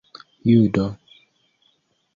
judo